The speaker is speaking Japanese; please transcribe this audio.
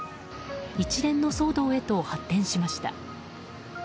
一連の騒動へと発展しました。